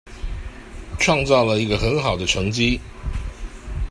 創造了一個很好的成績